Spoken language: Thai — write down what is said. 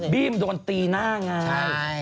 อ๋อบี้มันโดนตีหน้าง่าย